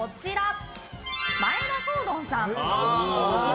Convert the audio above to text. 眞栄田郷敦さん。